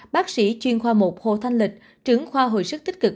bác sĩ chuyên khoa một hồ thanh lịch trưởng khoa hồi sức tích cực